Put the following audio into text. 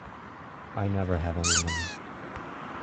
I never have any money.